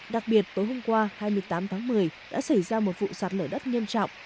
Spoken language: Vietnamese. đặc biệt tối hôm qua hai mươi tám tháng một mươi đã xảy ra một vụ sạt lở đất nghiêm trọng